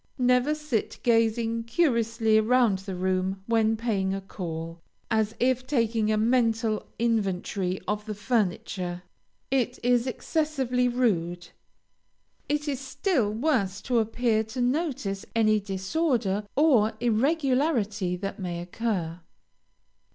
Never sit gazing curiously around the room when paying a call, as if taking a mental inventory of the furniture. It is excessively rude. It is still worse to appear to notice any disorder or irregularity that may occur.